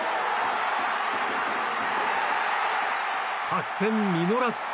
作戦、実らず。